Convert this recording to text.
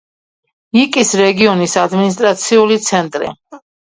იკის რეგიონის ადმინისტრაციული ცენტრი.